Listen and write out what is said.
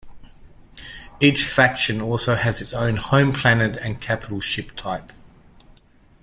Each faction also has its own home planet and capital ship type.